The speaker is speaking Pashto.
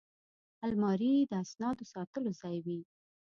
الماري د اسنادو ساتلو ځای وي